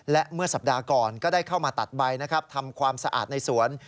และเมื่อสัปดาห์ก่อนก็ได้เข้ามาตัดใบนะครับทำความสะอาดในสวน